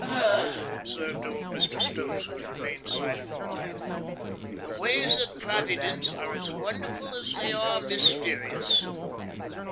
"Ah!" observed old Mr Stokes, who had remained silent the while. "The ways of Providence are as wonderful as they are mysterious!"